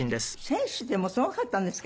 選手でもすごかったんですか。